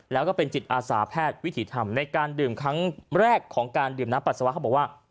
แล้วก็เป็นจิตอาสาแพทย์วิถีธรรมในการดื่มครั้งแรกของการดื่มน้ำปัสสาวะเขาบอกว่า